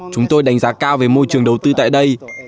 chúng tôi đánh giá cao về môi trường đầu tư tại đây